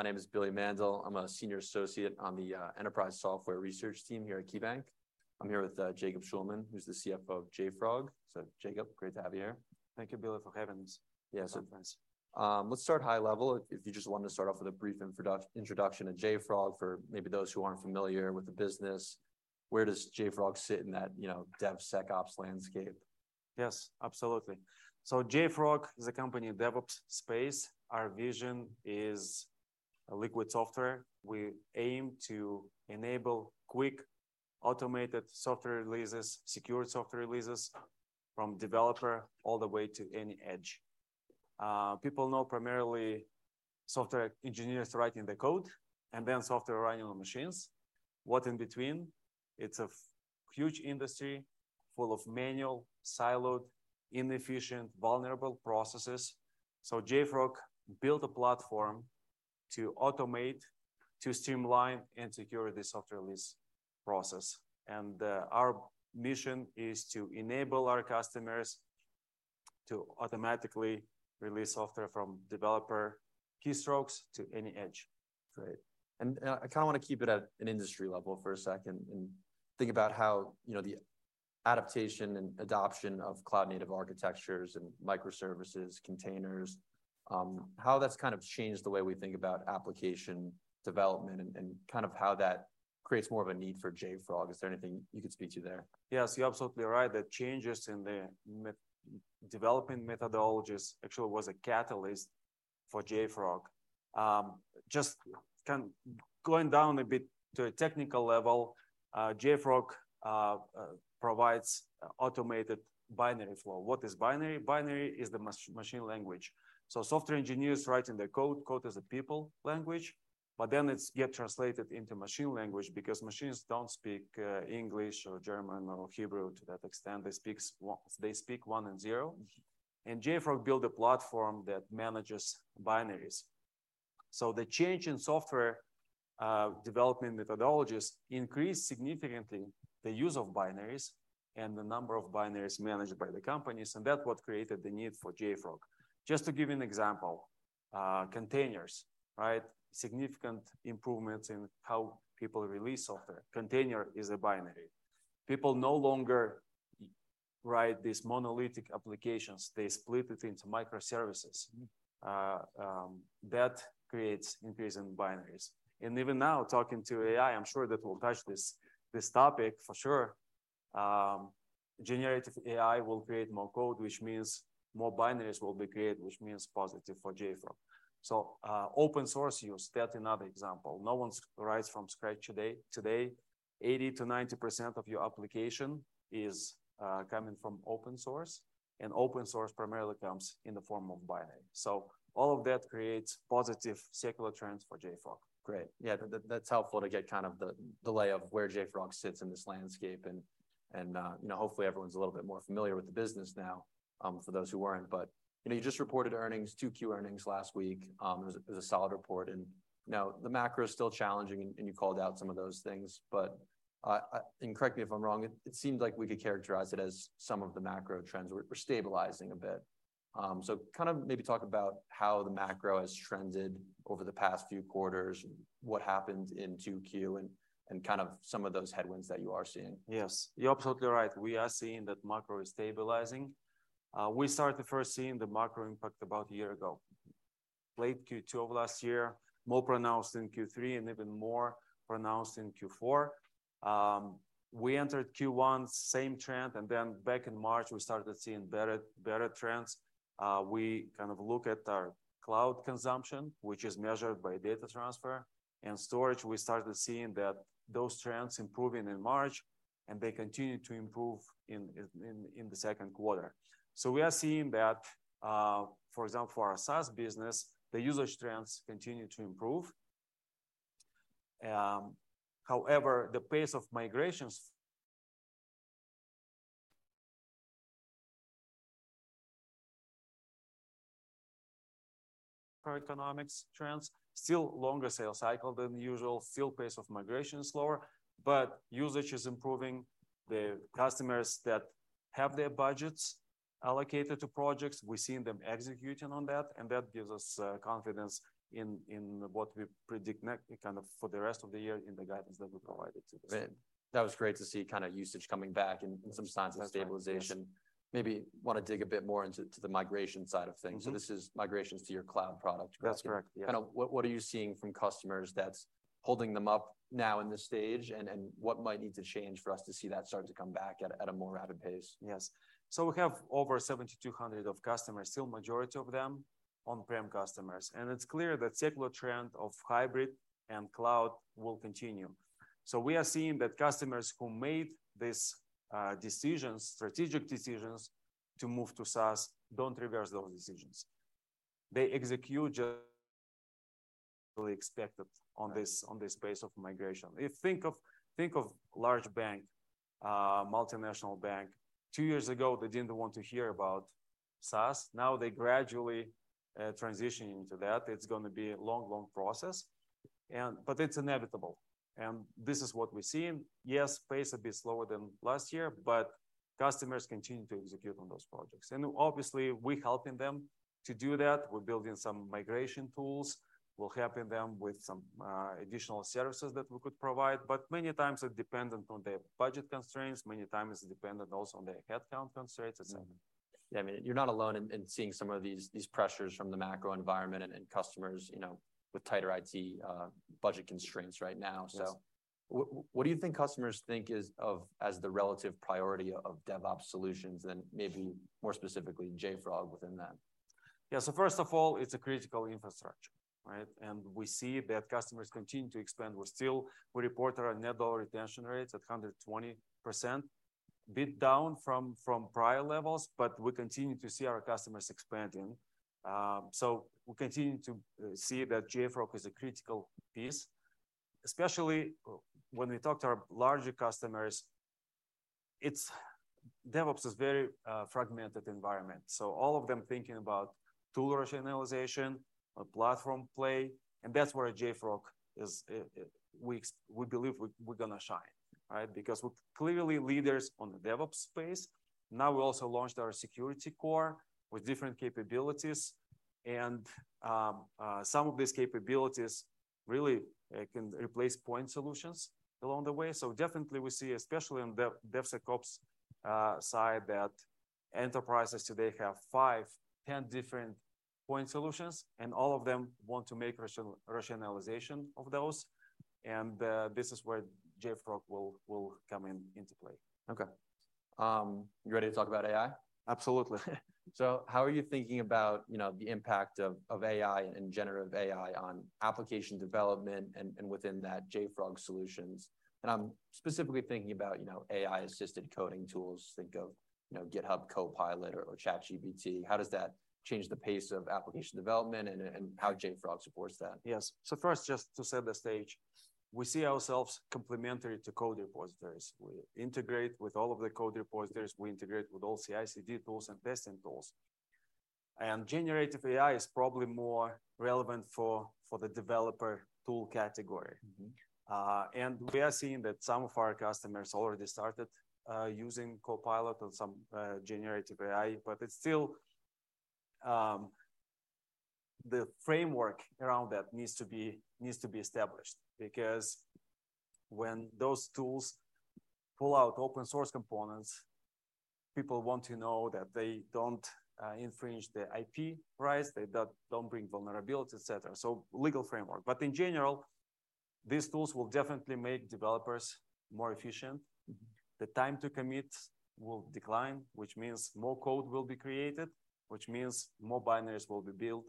My name is Billy Mandl. I'm a senior associate on the Enterprise Software research team here at KeyBanc. I'm here with Jacob Shulman, who's the CFO of JFrog. Jacob, great to have you here. Thank you, Billy, for having us. Yeah, let's start high level. If you just wanted to start off with a brief introduction to JFrog, for maybe those who aren't familiar with the business. Where does JFrog sit in that, you know, DevSecOps landscape? Yes, absolutely. JFrog is a company in DevOps space. Our vision is Liquid Software. We aim to enable quick, automated software releases, secure software releases from developer all the way to any edge. People know primarily software engineers writing the code and then software running on machines. What's in between? It's a huge industry full of manual, siloed, inefficient, vulnerable processes. JFrog built a platform to automate, to streamline, and secure the software release process. Our mission is to enable our customers to automatically release software from developer keystrokes to any edge. Great. And I kinda wanna keep it at an industry level for a second and think about how, you know, the adaptation and adoption of cloud-native architectures and microservices, containers, how that's kind of changed the way we think about application development, and, and kind of how that creates more of a need for JFrog. Is there anything you could speak to there? Yes, you're absolutely right. The changes in the developing methodologies actually was a catalyst for JFrog. Just going down a bit to a technical level, JFrog provides automated binary flow. What is binary? Binary is the machine language. Software engineers writing the code, code is a people language, but then it's get translated into machine language because machines don't speak English, or German, or Hebrew to that extent. They speak one and zero. JFrog built a platform that manages binaries. The change in software development methodologies increased significantly the use of binaries and the number of binaries managed by the companies, and that's what created the need for JFrog. Just to give you an example, containers, right? Significant improvements in how people release software. Container is a binary. People no longer write these monolithic applications. They split it into microservices. Mm-hmm. That creates increase in binaries. Even now, talking to AI, I'm sure that we'll touch this, this topic for sure. Generative AI will create more code, which means more binaries will be created, which means positive for JFrog. Open source use, that another example. No one's writes from scratch today. Today, 80%-90% of your application is coming from open source, and open source primarily comes in the form of binary. All of that creates positive secular trends for JFrog. Great. Yeah, that, that's helpful to get kind of the delay of where JFrog sits in this landscape, and, and, you know, hopefully, everyone's a little bit more familiar with the business now, for those who weren't. You know, you just reported earnings, 2Q earnings last week. It was a, it was a solid report, and, you know, the macro is still challenging, and, and you called out some of those things, but, and correct me if I'm wrong, it, it seemed like we could characterize it as some of the macro trends were, were stabilizing a bit. Kind of maybe talk about how the macro has trended over the past few quarters and what happened in 2Q, and, and kind of some of those headwinds that you are seeing? Yes, you're absolutely right. We are seeing that macro is stabilizing. We started to first seeing the macro impact about a year ago. Late Q2 of last year, more pronounced in Q3, and even more pronounced in Q4. We entered Q1, same trend. Back in March, we started seeing better, better trends. We kind of look at our cloud consumption, which is measured by data transfer and storage. We started seeing that those trends improving in March, and they continued to improve in the second quarter. We are seeing that, for example, for our SaaS business, the usage trends continue to improve. However, the pace of migrations... economics trends, still longer sales cycle than usual, still pace of migration is slower, but usage is improving. The customers that have their budgets allocated to projects, we're seeing them executing on that, and that gives us confidence in, in what we predict next kind of for the rest of the year in the guidance that we provided to the same. That was great to see kinda usage coming back and some signs- That's right.... of stabilization. Maybe wanna dig a bit more into the migration side of things. Mm-hmm. This is migrations to your cloud product. That's correct, yeah. Kind of what are you seeing from customers that's holding them up now in this stage, and what might need to change for us to see that start to come back at a, at a more rapid pace? Yes. We have over 7,200 of customers, still majority of them on-prem customers. It's clear that secular trend of hybrid and cloud will continue. We are seeing that customers who made these decisions, strategic decisions to move to SaaS don't reverse those decisions. They execute just really expected on this, on this pace of migration. If think of, think of large bank, multinational bank. Two years ago, they didn't want to hear about SaaS. Now, they gradually transitioning to that. It's gonna be a long, long process-... and but it's inevitable, and this is what we're seeing. Yes, pace a bit slower than last year, but customers continue to execute on those projects. Obviously, we're helping them to do that. We're building some migration tools. We're helping them with some additional services that we could provide, but many times it dependent on their budget constraints. Many times it's dependent also on their headcount constraints as well. Yeah, I mean, you're not alone in, in seeing some of these, these pressures from the macro environment and, and customers, you know, with tighter IT budget constraints right now. Yes. What do you think customers think of as the relative priority of DevOps solutions and maybe more specifically, JFrog within that? First of all, it's a critical infrastructure, right? We see that customers continue to expand. We're still we report our net dollar retention rates at 120%. Bit down from, from prior levels, we continue to see our customers expanding. We continue to see that JFrog is a critical piece, especially when we talk to our larger customers, it's DevOps is very fragmented environment. All of them thinking about tool rationalization or platform play, and that's where JFrog is, we believe we're, we're gonna shine, right? Because we're clearly leaders on the DevOps space. We also launched our Security Core with different capabilities, and some of these capabilities really can replace point solutions along the way. definitely we see, especially on dev, DevSecOps, side, that enterprises today have 5, 10 different point solutions, and all of them want to make rationalization of those, and, this is where JFrog will, will come in, into play. Okay. you ready to talk about AI? Absolutely. How are you thinking about, you know, the impact of AI and generative AI on application development and within that, JFrog solutions? I'm specifically thinking about, you know, AI-assisted coding tools. Think of, you know, GitHub Copilot or ChatGPT. How does that change the pace of application development and how JFrog supports that? Yes. first, just to set the stage, we see ourselves complementary to code repositories. We integrate with all of the code repositories, we integrate with all CICD tools and testing tools. generative AI is probably more relevant for the developer tool category. Mm-hmm. We are seeing that some of our customers already started using Copilot or some generative AI, but it's still the framework around that needs to be, needs to be established because when those tools pull out open source components, people want to know that they don't infringe the IP rights, they don't bring vulnerabilities, et cetera, so legal framework. In general, these tools will definitely make developers more efficient. Mm-hmm. The time to commit will decline, which means more code will be created, which means more binaries will be built.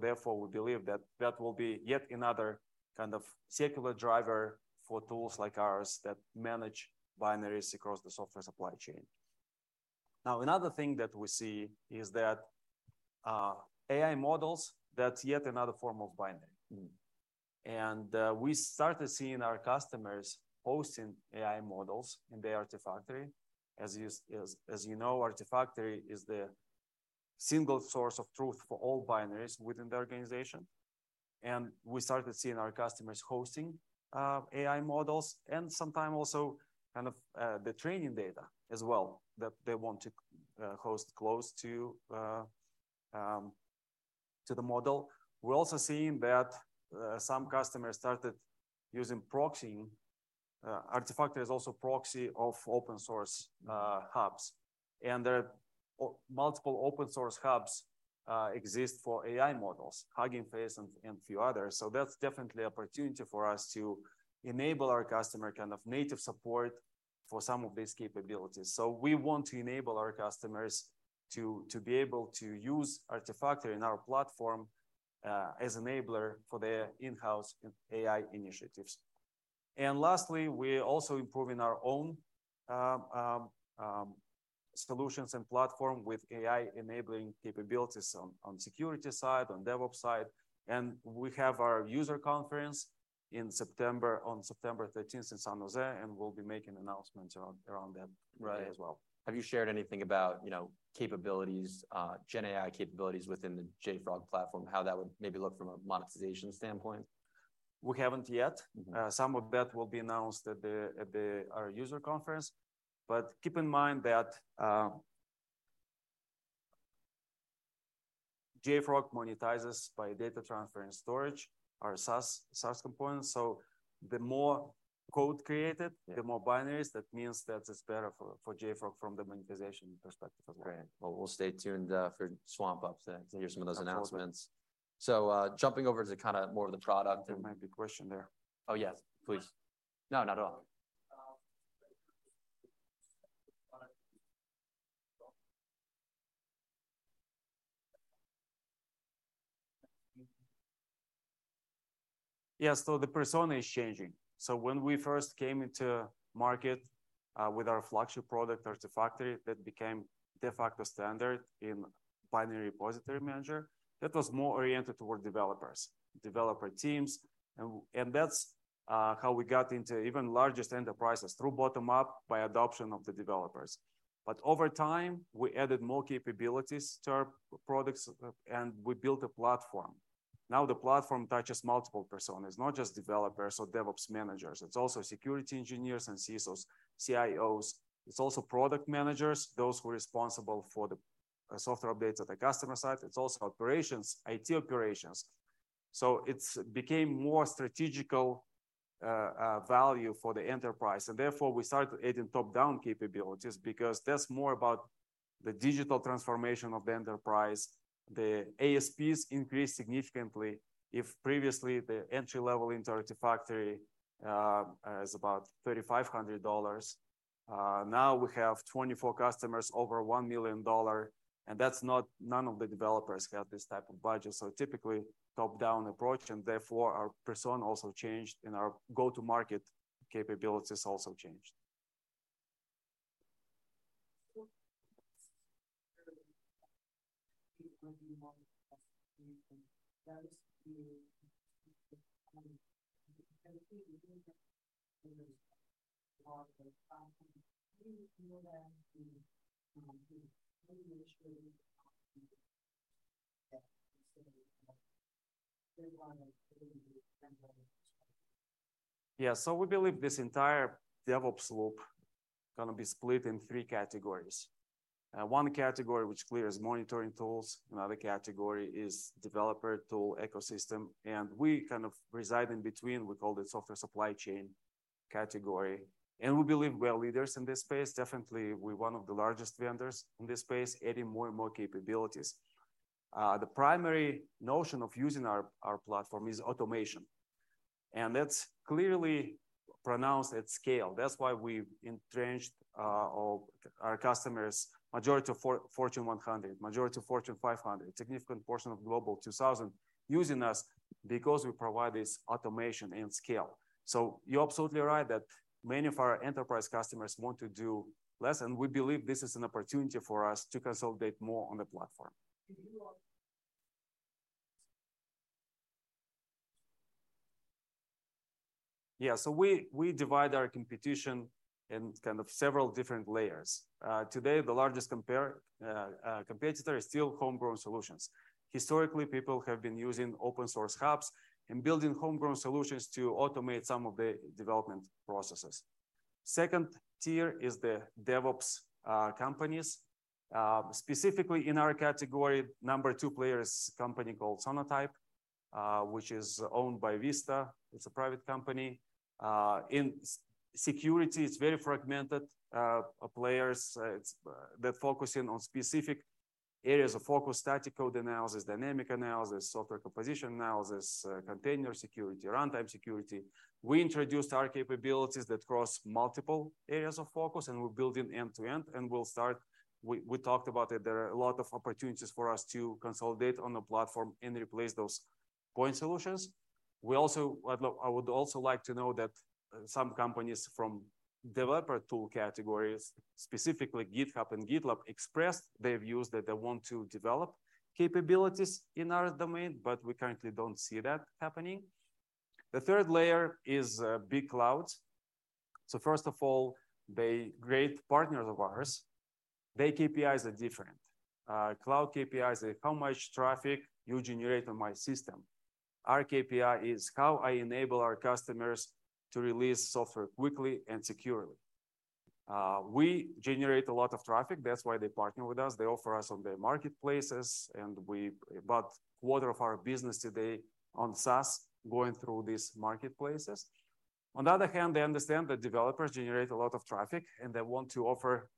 Therefore, we believe that that will be yet another kind of secular driver for tools like ours that manage binaries across the software supply chain. Another thing that we see is that AI models, that's yet another form of binary. Mm-hmm. We started seeing our customers hosting AI models in the Artifactory. As you know, Artifactory is the single source of truth for all binaries within the organization, and we started seeing our customers hosting AI models, and sometime also, kind of, the training data as well, that they want to host close to the model. We're also seeing that some customers started using proxying. Artifactory is also proxy of open source hubs, and there are multiple open source hubs exist for AI models, Hugging Face and a few others. That's definitely an opportunity for us to enable our customer, kind of, native support for some of these capabilities. We want to enable our customers to be able to use Artifactory and our platform as enabler for their in-house AI initiatives. Lastly, we're also improving our own solutions and platform with AI-enabling capabilities on security side, on DevOps side, and we have our user conference in September, on September 13th in San Jose, and we'll be making announcements around, around that. Right... as well. Have you shared anything about, you know, capabilities, gen AI capabilities within the JFrog platform? How that would maybe look from a monetization standpoint? We haven't yet. Mm-hmm. some of that will be announced at the, at the, our user conference. keep in mind that, JFrog monetizes by data transfer and storage, our SaaS, SaaS components, the more code created... Yeah... the more binaries, that means that it's better for JFrog from the monetization perspective as well. Great. Well, we'll stay tuned, for swampUp to hear some of those announcements. Absolutely. jumping over to kind of more of the product- There might be a question there. Oh, yes, please. No, not at all. The persona is changing. When we first came into market with our flagship product, Artifactory, that became de facto standard in binary repository manager, that was more oriented toward developers, developer teams. That's how we got into even largest enterprises through bottom-up by adoption of the developers. Over time, we added more capabilities to our products and we built a platform. Now, the platform touches multiple personas, not just developers or DevOps managers. It's also security engineers and CISOs, CIOs. It's also product managers, those who are responsible for the software updates at the customer side. It's also operations, IT operations. It's became more strategical value for the enterprise, and therefore, we started adding top-down capabilities because that's more about the digital transformation of the enterprise. The ASPs increased significantly. If previously, the entry-level into Artifactory, is about $3,500, now we have 24 customers over $1 million, and that's not-- none of the developers have this type of budget. Typically, top-down approach, and therefore, our persona also changed, and our go-to-market capabilities also changed. Yeah, we believe this entire DevOps loop gonna be split in three categories. One category, which clearly is monitoring tools. Another category is developer tool ecosystem, and we kind of reside in between. We call it software supply chain category, and we believe we are leaders in this space. Definitely, we're one of the largest vendors in this space, adding more and more capabilities. The primary notion of using our, our platform is automation, and that's clearly pronounced at scale. That's why we've entrenched all our customers, majority of Fortune 100, majority of Fortune 500, significant portion of Global 2000, using us because we provide this automation and scale. You're absolutely right that many of our enterprise customers want to do less, and we believe this is an opportunity for us to consolidate more on the platform. We divide our competition in kind of several different layers. Today, the largest competitor is still homegrown solutions. Historically, people have been using open source hubs and building homegrown solutions to automate some of the development processes. Second tier is the DevOps companies. Specifically in our category, number 2 player is a company called Sonatype, which is owned by Vista. It's a private company. In security, it's very fragmented players. They're focusing on specific areas of focus, static code analysis, dynamic analysis, software composition analysis, container security, runtime security. We introduced our capabilities that cross multiple areas of focus, and we're building end-to-end, and we talked about it. There are a lot of opportunities for us to consolidate on the platform and replace those point solutions. I would also like to know that some companies from developer tool categories, specifically GitHub and GitLab, expressed their views that they want to develop capabilities in our domain, but we currently don't see that happening. The third layer is big clouds. First of all, they great partners of ours. Their KPIs are different. Cloud KPIs are how much traffic you generate on my system. Our KPI is how I enable our customers to release software quickly and securely. We generate a lot of traffic. That's why they partner with us. They offer us on their marketplaces, 1/4 of our business today on SaaS going through these marketplaces. They understand that developers generate a lot of traffic, and they want to offer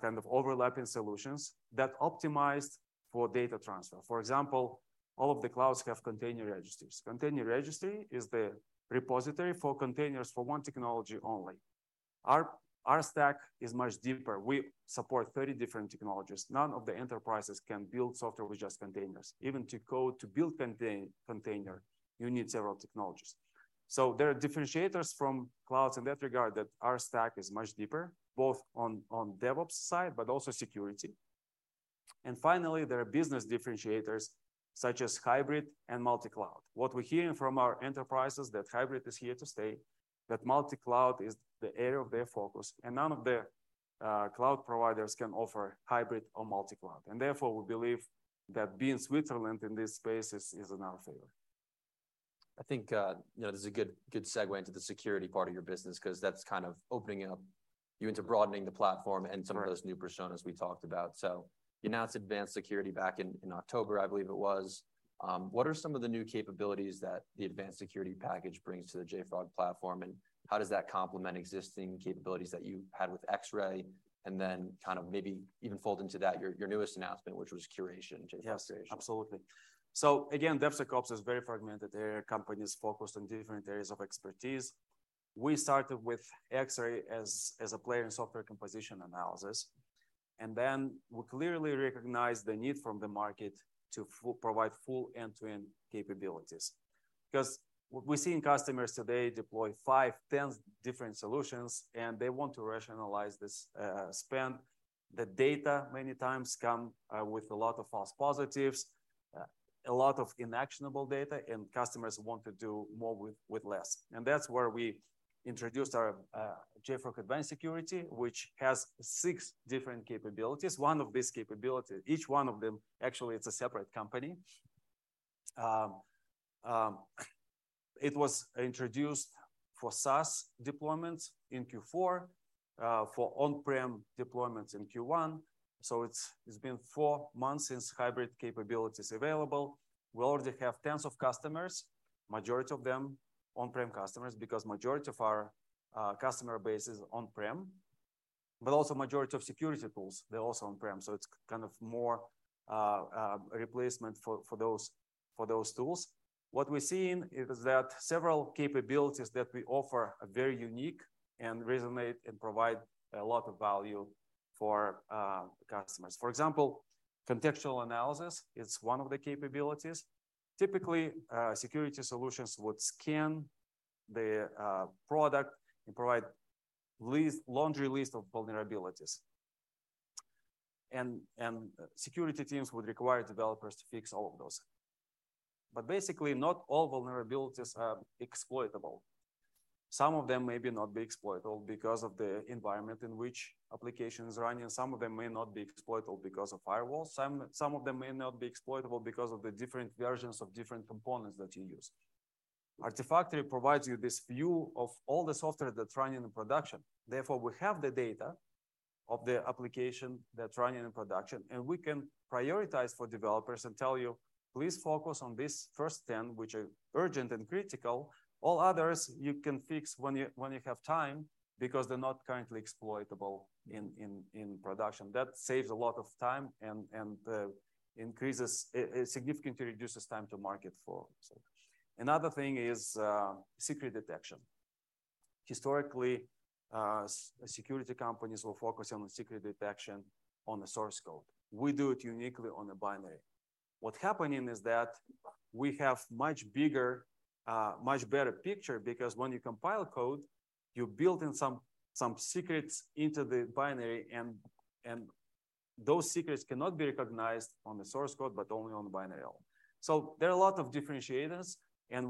kind of overlapping solutions that optimized for data transfer. For example, all of the clouds have container registries. Container registry is the repository for containers for one technology only. Our, our stack is much deeper. We support 30 different technologies. None of the enterprises can build software with just containers. Even to code, to build contain- container, you need several technologies. There are differentiators from clouds in that regard, that our stack is much deeper, both on, on DevOps side, but also security. Finally, there are business differentiators such as hybrid and multi-cloud. What we're hearing from our enterprises, that hybrid is here to stay, that multi-cloud is the area of their focus, and none of the cloud providers can offer hybrid or multi-cloud. Therefore, we believe that being Switzerland in this space is in our favor. I think, you know, this is a good, good segue into the security part of your business 'cause that's kind of opening up you into broadening the platform. Right. Some of those new personas we talked about. You announced Advanced Security back in, in October, I believe it was. What are some of the new capabilities that the Advanced Security package brings to the JFrog platform, and how does that complement existing capabilities that you had with Xray? Then, kind of maybe even fold into that your, your newest announcement, which was Curation, JFrog Curation. Yes, absolutely. Again, DevSecOps is very fragmented. There are companies focused on different areas of expertise. We started with Xray as a player in software composition analysis, and then we clearly recognized the need from the market to provide full end-to-end capabilities. Cause we're seeing customers today deploy five, 10 different solutions, and they want to rationalize this spend... the data many times come with a lot of false positives, a lot of inactionable data, and customers want to do more with, with less. That's where we introduced our JFrog Advanced Security, which has six different capabilities. One of these capabilities, each one of them, actually, it's a separate company. It was introduced for SaaS deployments in Q4 for on-prem deployments in Q1. It's been four months since hybrid capability is available. We already have tens of customers, majority of them on-prem customers, because majority of our customer base is on-prem, but also majority of security tools, they're also on-prem. It's kind of more replacement for those tools. What we're seeing is that several capabilities that we offer are very unique and resonate and provide a lot of value for customers. For example, contextual analysis is one of the capabilities. Typically, security solutions would scan the product and provide laundry list of vulnerabilities. Security teams would require developers to fix all of those. Basically, not all vulnerabilities are exploitable. Some of them may not be exploitable because of the environment in which application is running, and some of them may not be exploitable because of firewalls. Some, some of them may not be exploitable because of the different versions of different components that you use. Artifactory provides you this view of all the software that's running in production. Therefore, we have the data of the application that's running in production, and we can prioritize for developers and tell you, "Please focus on these first 10, which are urgent and critical. All others, you can fix when you, when you have time, because they're not currently exploitable in, in, in production." That saves a lot of time and, and increases significantly reduces time to market for solutions. Another thing is secret detection. Historically, security companies will focus on secret detection on the source code. We do it uniquely on the binary. What's happening is that we have much bigger, much better picture, because when you compile code, you're building some, some secrets into the binary, and, and those secrets cannot be recognized on the source code, but only on the binary. There are a lot of differentiators.